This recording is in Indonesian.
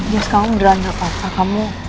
jess kamu beneran gak apa apa kamu